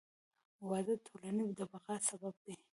• واده د ټولنې د بقا سبب دی.